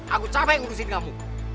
aku capek ngurusin kamu